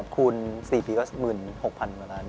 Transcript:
คูณ๔ปีก็๑๖๐๐๐ล้าน